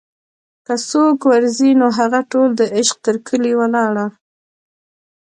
که څوک ور ځي نوهغه ټول دعشق تر کلي ولاړه